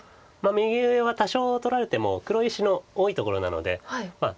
右上は多少取られても黒石の多いところなのでまあいいんです。